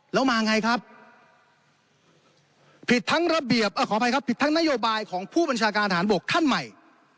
แล้วมาไงครับผิดทั้งระเบียบขออภัยครับผิดทั้งนโยบายของผู้บัญชาการฐานบกท่านใหม่